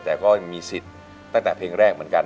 แต่ก็มีสิทธิ์ตั้งแต่เพลงแรกเหมือนกัน